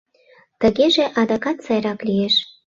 Тыгеже адакат сайрак лиеш.